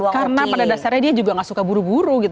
karena pada dasarnya dia juga gak suka buru buru gitu